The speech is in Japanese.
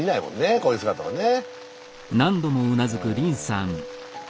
こういう姿はね。